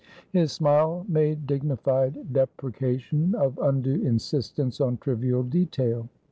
His smile made dignified deprecation of undue insistence on trivial detail.